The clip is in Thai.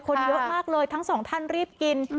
คนเยอะมากเลยทั้งสองท่านรีบกิน